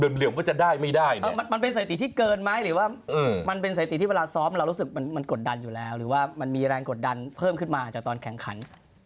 เหลือมว่าจะได้ไม่ได้นะมันเป็นสถิติที่เกินไหมหรือว่ามันเป็นสถิติที่เวลาซ้อมเรารู้สึกมันกดดันอยู่แล้วหรือว่ามันมีแรงกดดันเพิ่มขึ้นมาจากตอนแข่งขัน